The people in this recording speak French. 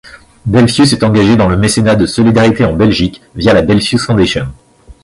Belfius est engagé dans le mécénat de solidarité en Belgique via la Belfius Foundation.